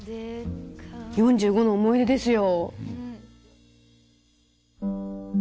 ４５歳の思い出ですよ。